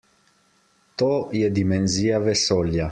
To je dimenzija vesolja.